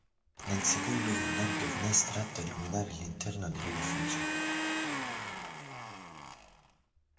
Nel secondo vi è un'ampia finestra atta a illuminare l'interno dell'edificio.